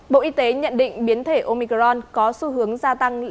bộ y tế nhận định biến thể omicron có xu hướng gia tăng